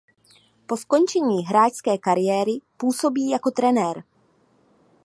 Po skončení hráčské kariéry působí jako trenér.